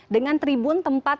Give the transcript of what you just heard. dengan tribun tempat